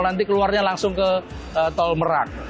nanti keluarnya langsung ke tol merak